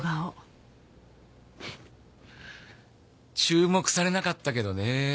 フッ注目されなかったけどね。